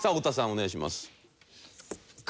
お願いします。